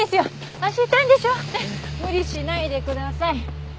無理しないでください。